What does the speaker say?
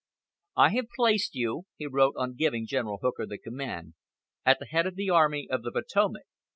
"I have placed you," he wrote on giving General Hooker the command, "at the head of the Army of the Potomac.